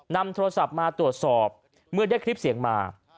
นำโทรศัพท์มาตรวจสอบเมื่อได้คลิปเสียงมา